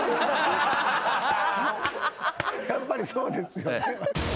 やっぱりそうですよね。